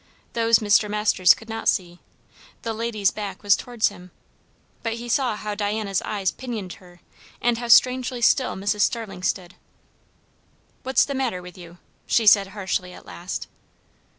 Those Mr. Masters could not see; the lady's back was towards him; but he saw how Diana's eyes pinioned her, and how strangely still Mrs. Starling stood. "What's the matter with you?" she said harshly at last.